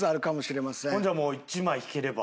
ほんじゃあ１枚引ければ。